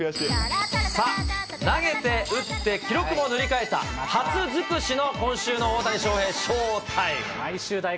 さあ、投げて、打って、記録も塗り替えた、初づくしの今週の大谷翔平ショータイム！